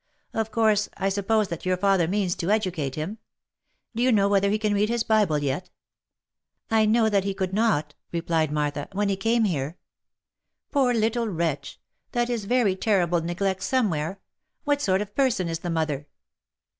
Of course I suppose that your father means to educate him. Do you know whether he can read his bible yet ?"" I know that he could not," replied Martha, " when he came here." " Poor little wretch ! That is very terrible neglect somewhere. What sort of person is the mother?"